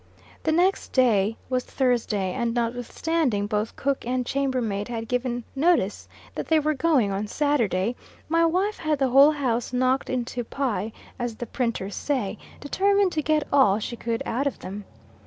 The next day was Thursday, and, notwithstanding both cook and chamber maid had given notice that they were going on Saturday, my wife had the whole house knocked into pi, as the printers say, determined to get all she could out of them.